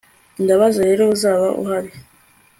ndabaza rero, uzaba uhari